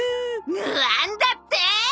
なあんだって！？